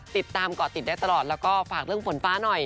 เกาะติดได้ตลอดแล้วก็ฝากเรื่องฝนฟ้าหน่อย